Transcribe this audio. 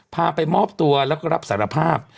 พาไปมอบตัวแล้วก็รับสารภาพ